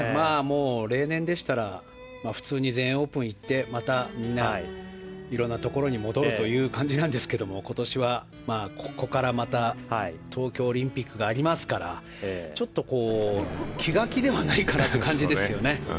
例年でしたら普通に全英オープンにいってまたみんな、いろんなところに戻る感じなんですけど今年は、ここからまた東京オリンピックがありますからちょっと気が気ではないかなという感じですよね。